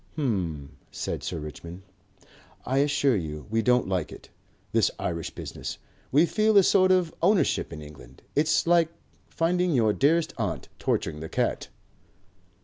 "H'm," said Sir Richmond. "I assure you we don't like it. This Irish business. We feel a sort of ownership in England. It's like finding your dearest aunt torturing the cat."